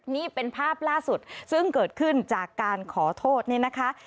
นี่เป็นภาพล่าสุดซึ่งเกิดขึ้นจากการขอโทษเนี่ยนะคะ